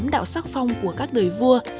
một mươi tám đạo sắc phong của các đời vua